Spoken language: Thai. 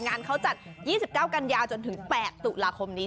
งานเขาจัด๒๙กันยาวจนถึง๘ตุลาคมนี้